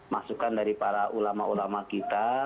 masukan dari para ulama ulama kita